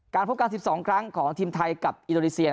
พบกัน๑๒ครั้งของทีมไทยกับอินโดนีเซีย